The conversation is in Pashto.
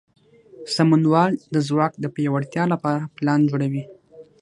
سمونوال د ځواک د پیاوړتیا لپاره پلان جوړوي.